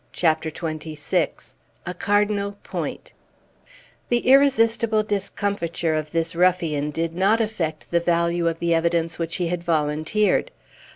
CHAPTER XXVI A CARDINAL POINT The irresistible discomfiture of this ruffian did not affect the value of the evidence which he had volunteered.